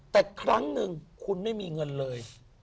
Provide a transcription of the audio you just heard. แต่ครั้งหนึ่งคุณไม่มีเงินเลย